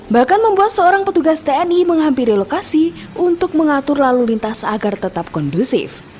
bahkan membuat seorang petugas tni menghampiri lokasi untuk mengatur lalu lintas agar tetap kondusif